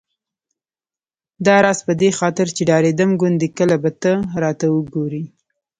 داراز په دې خاطر چې ډارېدم ګوندې کله به ته راته وګورې.